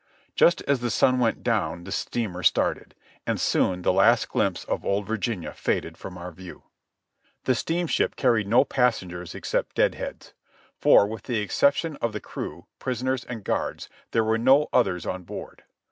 Just as the sun went down the steamer started, and soon the last glimpse of Old Virginia faded from our view. The steamship carried no passengers except "dead heads ;" for with the exception of the crew, prisoners and guards, there were none others on board.